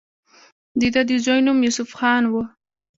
د دۀ د زوي نوم يوسف خان وۀ